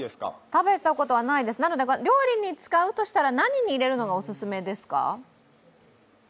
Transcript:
食べたことはないです、料理に使うとしたら、何に入れるのがおすすめですか？